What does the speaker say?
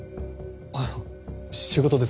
ああ仕事です。